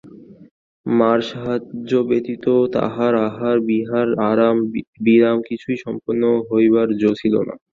মার সাহায্য ব্যতীত তাহার আহার বিহার আরাম বিরাম কিছুই সম্পন্ন হইবার জো ছিল না।